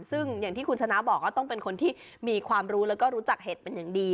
ซึ่งอย่างที่คุณชนะบอกว่าต้องเป็นคนที่มีความรู้แล้วก็รู้จักเห็ดเป็นอย่างดี